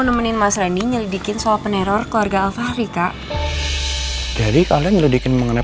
nemenin mas rendy nyelidikin soal peneror keluarga alva hari kak jadi kalian ngelidikin mengenai